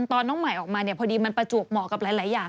ตอนน้องไหมออกมามันประจวกเหมาะกับหลายอย่าง